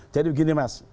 jadi begini mas